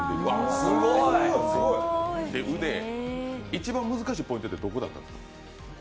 一番難しいポイントってどこだったんですか？